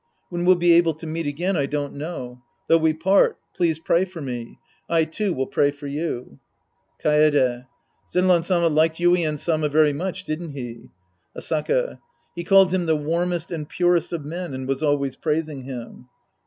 When we'll be able to meet again, I don't know. Though we part, please pray for me. I, too, will pray for you." Kaede. Zenran Sama liked Yuien Sama very much, didn't he ? Asaka. He called him the warmest and purest of men and was always praising him.